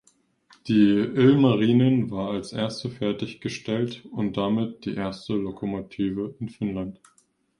Die "Ilmarinen" war als erste fertiggestellt und damit die erste Lokomotive in Finnland.